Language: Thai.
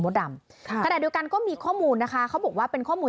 ดำค่ะขณะเดียวกันก็มีข้อมูลนะคะเขาบอกว่าเป็นข้อมูล